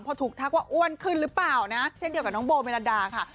พอถูกทักว่าอ้วนขึ้นหรือเปล่านะเช่นเดียวกับน้องโบเมลดาค่ะ